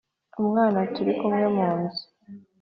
Umwana turi kumwe mu nzu